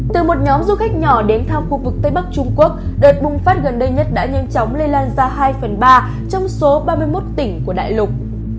từ một nhóm du khách nhỏ đến thăm khu vực tây bắc trung quốc đợt bùng phát gần đây nhất đã nhanh chóng lây lan ra hai phần ba trong số ba mươi một tỉnh của đại lục